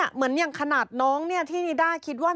เหมือนอย่างขนาดน้องที่นิด้าคิดว่า